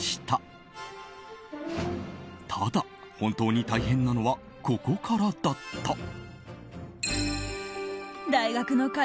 ただ、本当に大変なのはここからだった。